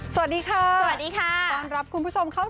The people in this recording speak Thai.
สวัสดีค่ะสวัสดีค่ะสวัสดีค่ะวันรับคุณผู้ชมเข้า